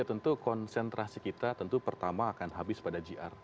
ya tentu konsentrasi kita tentu pertama akan habis pada gr